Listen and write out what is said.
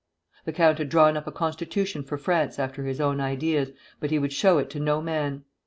The count had drawn up a constitution for France after his own ideas, but he would show it to no man.